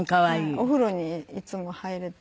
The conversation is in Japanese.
お風呂にいつも入れて。